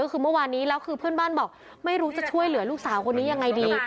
ก็คือเมื่อวานนี้แล้วคือเพื่อนบ้านบอกไม่รู้จะช่วยเหลือลูกสาวคนนี้ยังไงดี